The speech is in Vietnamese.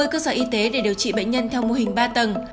một mươi cơ sở y tế để điều trị bệnh nhân theo mô hình ba tầng